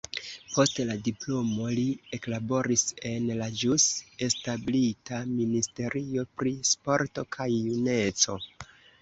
Post la diplomo li eklaboris en la ĵus establita ministerio pri sporto kaj juneco.